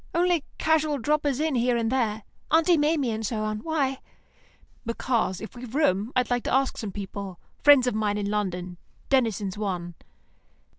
Only casual droppers in here and there; Aunt Maimie and so on. Why?" "Because, if we've room, I want to ask some people; friends of mine in London. Denison's one."